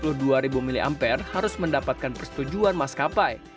pesawat yang berkapasitas hingga tiga puluh dua ribu miliampere harus mendapatkan persetujuan maskapai